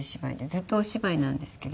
ずっとお芝居なんですけど。